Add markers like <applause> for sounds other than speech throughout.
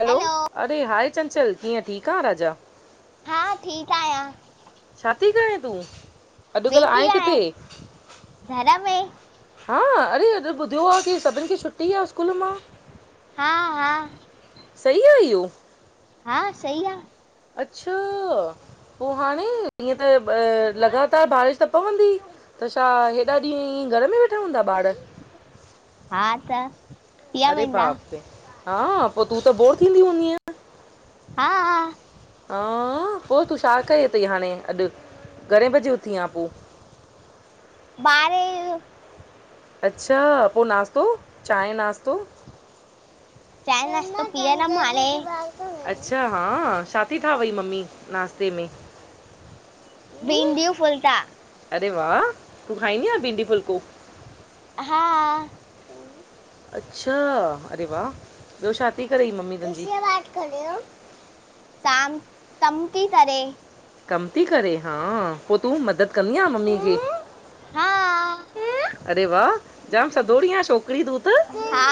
Hello hello, अरे hi Chanchal कीअं ठीक आहे राजा? हा ठीक आहियां। छाती करें तूं? अॼुकल्ह वेठी आहे किथे आहियां घर में हा? अरे अॼ ॿुधयो आ की सभिन खे छुटी आ स्कूल मां? हा हा सही आ इहो? हा सही आ। अच्छा पो हाणे हीअं त लॻातार बारिश त पवंदी? त छा हेॾा ॾींहं इयं घर में वेठा हूंदा ॿार? हा त थी अरे वेंदा बाप रे! हा पो तूं त बोर थींदी हूंदीअ? हा हा हां पो तूं छा कयो तई हाणे अॼ घणे बजे उथी आं पो? ॿारहें अच्छा पो नास्तो चाय नास्तो? चांहि नाश्तो पीअंदमि हाणे, <unintelligible> अच्छा हा छा थी ठावई मम्मी नाश्ते में? भिडियूं फुलता। अरे वाह! तूं खाईंदी आ भिंडी फुलको? हा अच्छा अरे वाह! ॿियो छा थी करई मम्मी तुंहिंजी? ताम तम ती करे। कम थी करे हां पो तूं मदद कंदी आं मम्मी खे? हा अरे वाह! जाम सदोरी आं छोकरी तू त। हा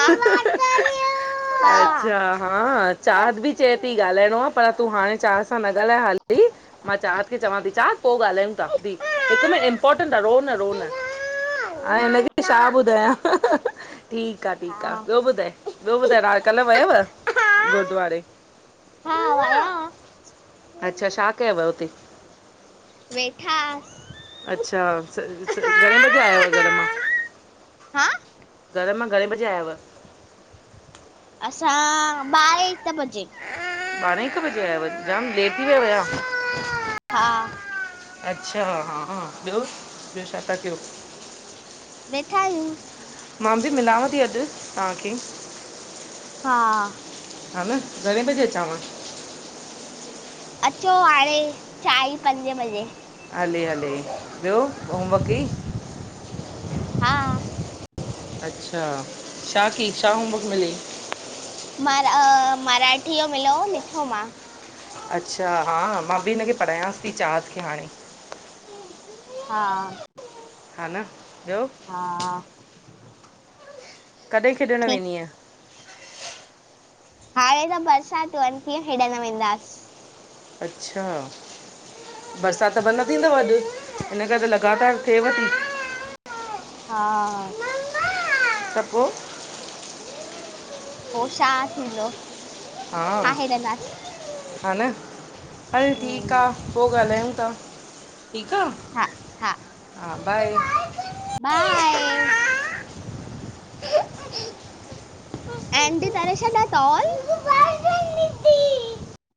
हा अच्छा हा चाहत बि चए थी ॻाल्हाइणो आहे पर तूं हाणे चाहत सां न ॻाल्हाए हाली। मां चाहत खे चवां थी चाहत पो ॻाल्हायूं ता हिक मिन्ट इम्पोर्टेंट आ रो न रो न। ह हिनखे छा ॿुधायां ठीक आ ठीक हा आहे ॿियो ॿुधाए ॿियो ॿुधाए रा कल्ह वयव गुरुद्वारे? हा वया वा। अच्छा छा कयव हुते? वेठा अस् अच्छा, स स, घणे बजे आया आहियो घर मां? हां। घर मां घणे बजे आयव? असां, ॿारहें हिकु बजे। ॿारहें हिक बजे आयव?, जाम लेट थी वया हुया। हा। अच्छा हां, ॿियो, ॿियो छा था कियो? वेठा आहियूं। मां बि मिलांव थी अॼु, तव्हांखे। हा। ह न, घणे बजे अचांव? अचो हाणे, चांईं पंजे बजे। हले, हले, ॿियो होमवर्क कयई? हा। अच्छा, छा कयई, छा होमवर्क मिल्यई? म र अ मराठी यो मिलो लिख्यो मां। अच्छा हा, मां बि हिनखे पढ़ायांसि थी चार थिया हाणे। हा, हा न ॿियो हा। कॾहिं, खेॾणु ठीकु वेंदीय? हाणे त बरसात थीअं हेॾणु वञीदास्। <unintelligible> अच्छा। बरसाति त बंदि न थींदव अॼु, हिन करे त लॻातार थिएव थी। हा। त पोइ। पोइ शा थींदो? हा, छा हेॾंदासीं ह न, हल ठीकु हम्म आह। पो ॻाल्हायूं था, ठीक आह, हा हा हा बाए। बाए। ऐं एंडी तारा छाॾा तॉल। <unintelligible> मूंखे बाल्टी ॾिनी